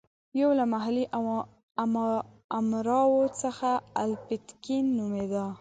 یو له محلي امراوو څخه الپتکین نومېده.